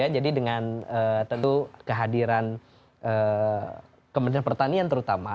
dengan tentu kehadiran kementerian pertanian terutama